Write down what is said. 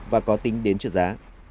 và có tính đến trợ giá